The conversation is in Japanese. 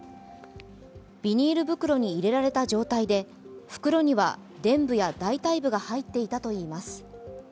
ビニール袋に入れられた状態で袋には、でん部や大たい部が入っていたといいます。